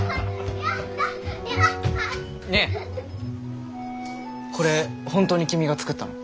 ねえこれ本当に君が作ったの？